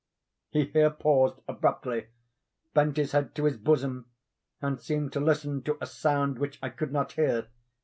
He here paused abruptly, bent his head to his bosom, and seemed to listen to a sound which I could not hear.